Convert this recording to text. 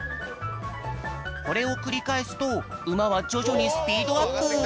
これをくりかえすとうまはじょじょにスピードアップ！